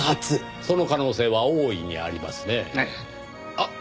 あっ！